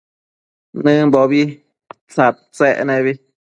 Nëmbo tsadtsec nebi